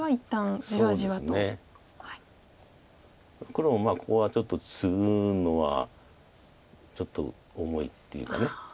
黒もここはちょっとツグのはちょっと重いっていうか。